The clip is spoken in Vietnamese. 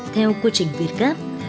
theo quy trình việt gáp